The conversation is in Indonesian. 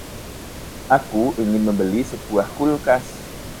Aku ingin membeli sebuah kulkas.